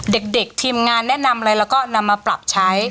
เด็กทีมงานแนะนำอะไรแล้วก็นำมาปรับใช้